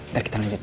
ntar kita lanjutin